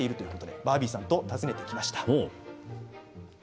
バービーさんと訪ねてきました。